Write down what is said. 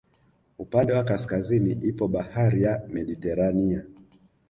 Upande wa kaskazini ipo bahari ya Mediterania